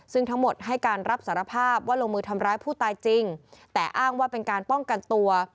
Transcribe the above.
ซึ่งทั้งหมดให้การรับสารภาพว่าลงมือทำร้ายผู้ตายจริงแต่อ้างว่าเป็นการป้องกันตัว